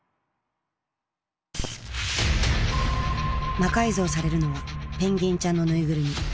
魔改造されるのはペンギンちゃんのぬいぐるみ。